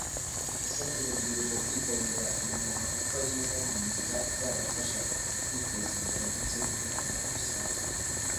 yasabye urubyiruko kwitabira imyuga kuko ari imwe mu nzira izabafasha mu kwiteza imbere ndetse n’igihugu muri rusange